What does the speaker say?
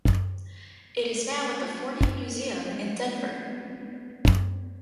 It is now at the Forney Museum in Denver.